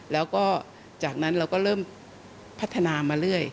แล้วก็จากนั้นเราก็เริ่มพัฒนามาเรื่อย